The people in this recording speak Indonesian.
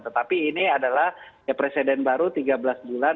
tetapi ini adalah presiden baru tiga belas bulan